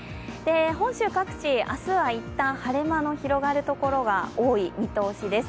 本州各地、明日は一旦晴れ間の広がるところが多い見通しです。